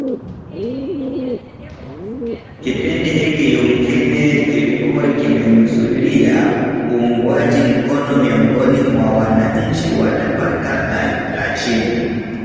Kipindi hiki yumkini kilikuwa kimemzulia uungwaji mkono miongoni mwa wananchi wa tabaka la chini